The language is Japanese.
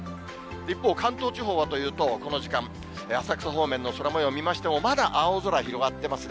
一方、関東地方はというと、この時間、浅草方面の空もよう、見ましても、まだ青空、広がっていますね。